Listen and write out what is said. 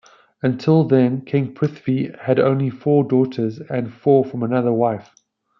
Until then King Prithvi only had four daughters and four from another wife.